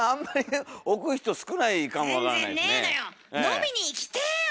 飲みに行きてえよ